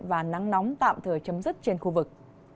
và nắng nóng tạm thời chấm dứt trên khu vực